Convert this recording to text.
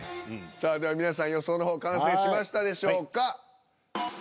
さあでは皆さん予想の方完成しましたでしょうか。